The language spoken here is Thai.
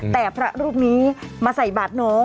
แต่พระรูปนี้มาใส่บาทน้อง